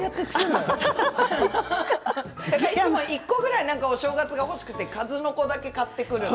でも１個ぐらいお正月が欲しくてかずのこだけ買ってくる。